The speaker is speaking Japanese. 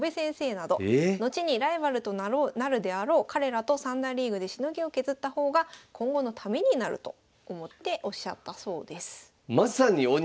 後にライバルとなるであろう彼らと三段リーグでしのぎを削った方が今後のためになると思っておっしゃったそうです。